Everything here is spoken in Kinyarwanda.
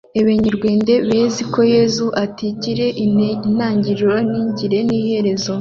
Ebenyerwende bezi ko Yesu itegire intengiriro ntigire n’iherezo